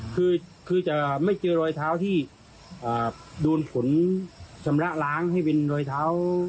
คือจะไม่เจอรอยเท้าที่โดนผลชำระล้างให้เป็นรอยเท้า